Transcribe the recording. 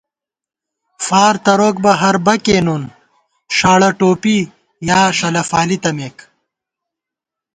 فار تروک بہ ہر بَکےنُن ݭاڑہ ٹوپی یا ݭلہ فالی تمېک